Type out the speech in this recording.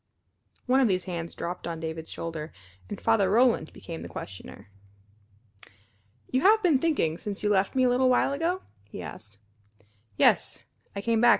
One of these hands dropped on David's shoulder, and Father Roland became the questioner. "You have been thinking, since you left me a little while ago?" he asked. "Yes. I came back.